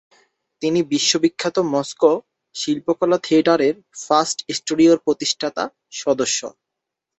তিনি বিশ্ববিখ্যাত মস্কো শিল্পকলা থিয়েটারের ফার্স্ট স্টুডিওর প্রতিষ্ঠাতা সদস্য।